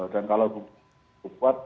dan kalau cukup kuat